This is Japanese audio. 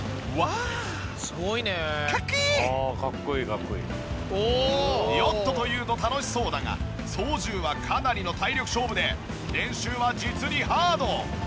「ああかっこいいかっこいい」ヨットというと楽しそうだが操縦はかなりの体力勝負で練習は実にハード。